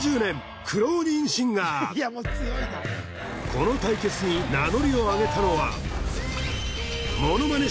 この対決に名乗りをあげたのはモノマネ